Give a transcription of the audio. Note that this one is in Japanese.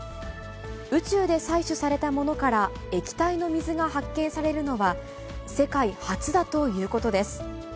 宇宙で採取されたものから液体の水が発見されるのは、世界初だということです。